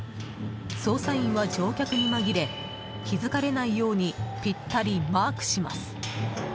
捜査員は乗客に紛れ気づかれないようにぴったりマークします。